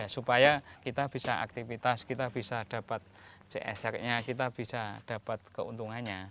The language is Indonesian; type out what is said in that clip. supaya kita bisa aktivitas kita bisa dapat csr nya kita bisa dapat keuntungannya